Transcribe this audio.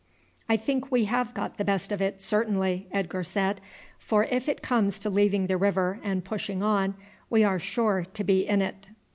"I think we have got the best of it, certainly," Edgar said; "for if it comes to leaving the river and pushing on we are sure to be in it."